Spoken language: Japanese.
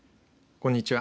こんにちは。